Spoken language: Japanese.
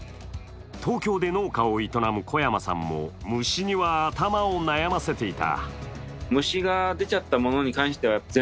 東京で農家を営む小山さんも虫には頭を悩ませていた。